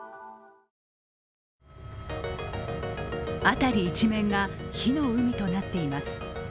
辺り一面が火の海となっています。